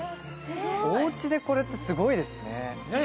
おうちでこれってすごいですねねえ